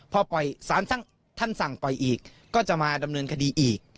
พอสารท่านสั่งปล่อยอีกก็จะมาดำเนินคดีอีก